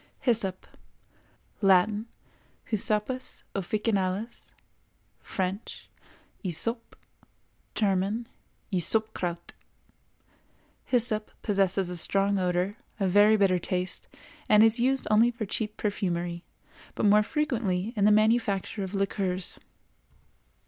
HYSSOP. Latin—Hyssopus officinalis; French—Hyssope; German—Ysopkraut. Hyssop possesses a strong odor, a very bitter taste, and is used only for cheap perfumery, but more frequently in the manufacture of liqueurs.